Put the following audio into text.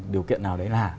điều kiện nào đấy là